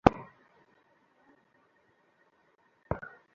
একটা গেল ব্যাঙ্কের দিকে, আর-একটা ঘরের দিকে।